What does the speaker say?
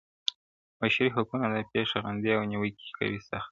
بشري حقونه دا پېښه غندي او نيوکي کوي سخت,